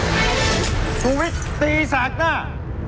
ชุวิตีศักดิ์หน้า